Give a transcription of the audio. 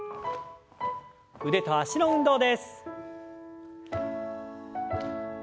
腕と脚の運動です。